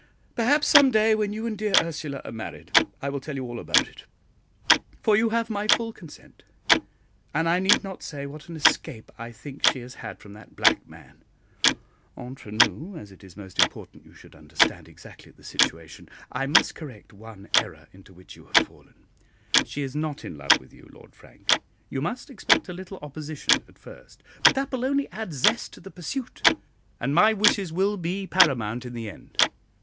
Perhaps some day when you and dear Ursula are married, I will tell you all about it; for you have my full consent; and I need not say what an escape I think she has had from that black man. Entre nous, as it is most important you should understand exactly the situation, I must correct one error into which you have fallen; she is not in love with you, Lord Frank; you must expect a little opposition at first; but that will only add zest to the pursuit, and my wishes will be paramount in the end.